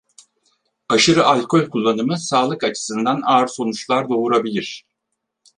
Aşırı alkol kullanımı, sağlık açısından ağır sonuçlar doğurabilir.